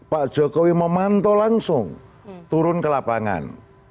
pak jokowi memantau langsung turun ke lapangan